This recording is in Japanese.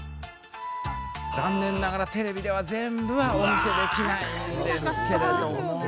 残念ながらテレビでは全部はお見せできないのですが。